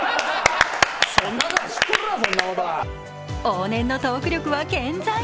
往年のトーク力は健在。